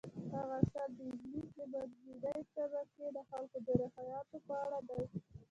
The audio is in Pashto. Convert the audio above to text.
هغه اثر د انګلیس د منځنۍ طبقې د خلکو د روحیاتو په اړه دی.